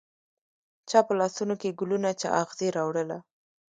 چا په لاسونوکې ګلونه، چااغزي راوړله